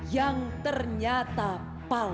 yang ternyata palsu